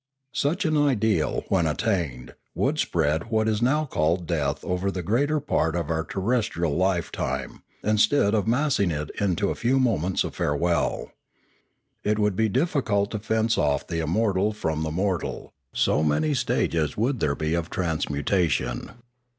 Such an ideal, when attained, would spread what is now called death over the greater part of our terrestrial lifetime, instead of massing it into a few moments of farewell. It would be difficult to fence off the im mortal from the mortal, so many stages would there be of transmutation.